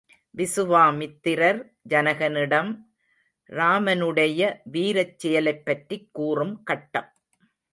விசுவாமித்திரர் ஜனகனிடம் ராமனுடைய வீரச்செயலைப்பற்றிக் கூறும் கட்டம்.